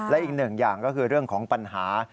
และอีกหนึ่งอย่างก็คือเรื่องของปัญหา